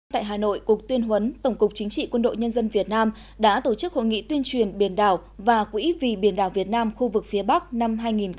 tại hà nội cục tuyên huấn tổng cục chính trị quân đội nhân dân việt nam đã tổ chức hội nghị tuyên truyền biển đảo và quỹ vì biển đảo việt nam khu vực phía bắc năm hai nghìn một mươi chín